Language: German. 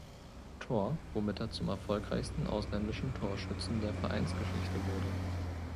Tor, womit er zum erfolgreichsten ausländischen Torschützen der Vereinsgeschichte wurde.